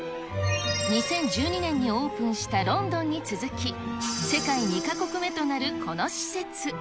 ２０１２年にオープンしたロンドンに続き、世界２か国目となるこの施設。